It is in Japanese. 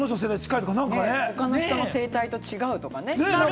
他の人の声帯と違うとかね。